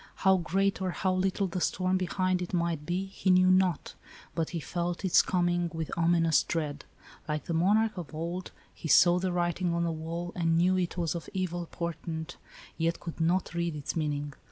How great or how little the storm behind it might be he knew not, but he felt its coming with ominous dread. Like the monarch of old, he saw the writing on the wall, and knew it was of evil portent, yet could not read its meaning.